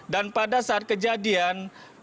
dan pada saat kejadiannya